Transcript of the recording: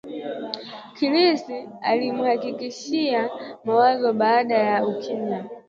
Chris alimhakikishia Mawazo baada ya kimya